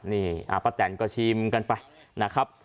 นี่ป้าแตนก็ชิมกันไปนะครับ